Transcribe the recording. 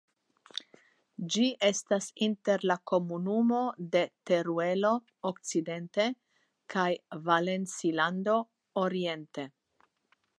Ĝi estas inter la Komunumo de Teruelo okcidente kaj Valencilando oriente.